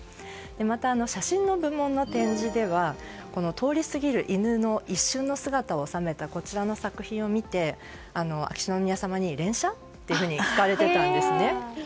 また写真の展示では通り過ぎる犬の一瞬の姿を収めたこちらの作品を見て秋篠宮さまに連写？って聞かれていたんですね。